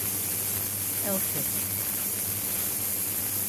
Elphicke.